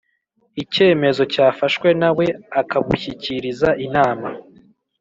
icyemezo cyafashwe nawe akabushyikiriza Inama